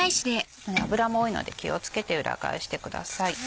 油も多いので気を付けて裏返してください。